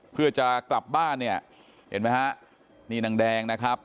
เพื่อจะกลับบ้านเนี่ยเห็นไหมฮะนี่นางแดงนะครับ